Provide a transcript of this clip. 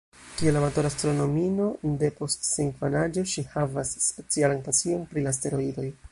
Kiel amatora astronomino depost sia infanaĝo, ŝi havas specialan pasion pri la asteroidoj.